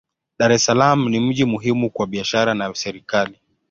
Dar es Salaam ni mji muhimu kwa biashara na serikali.